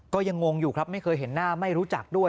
ก็ยังงงอยู่ครับไม่เคยเห็นหน้าไม่รู้จักด้วย